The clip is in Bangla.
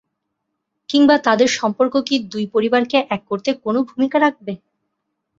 কিংবা তাদের সম্পর্ক কি দুই পরিবারকে এক করতে কোনো ভূমিকা রাখবে?